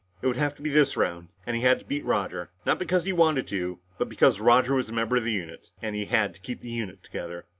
It would have to be this round, and he had to beat Roger. Not because he wanted to, but because Roger was a member of the unit. And he had to keep the unit together.